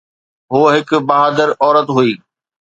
هوءَ هڪ بهادر عورت هئي.